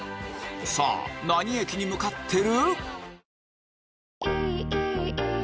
さぁ何駅に向かってる？